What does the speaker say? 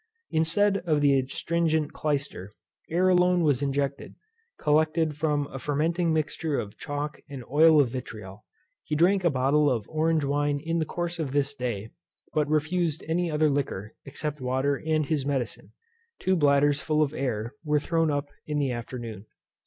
Instead of the astringent clyster, air alone was injected, collected from a fermenting mixture of chalk and oil of vitriol: he drank a bottle of orange wine in the course of this day, but refused any other liquor except water and his medicine: two bladders full of air were thrown up in the afternoon.